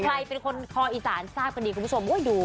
ใครเป็นคนคออีสานทราบกันดีคุณผู้ชมดู